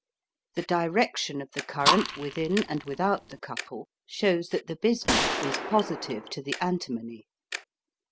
The direction of the current within and without the couple shows that the bismuth is positive to the antimony.